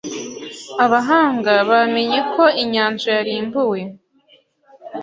abahanga bamenye ko inyanja yarimbuwe